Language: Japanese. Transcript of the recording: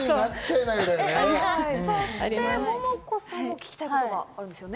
そしてモモコさんも聞きたいことがあるんですよね。